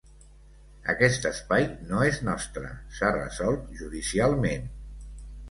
Aquest espai no és nostre, s’ha resolt judicialment.